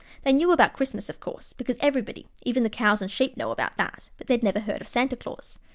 They knew about Christmas, of course, because everybody, even the cows and sheep, know about that, but they had never heard of Santa Claus.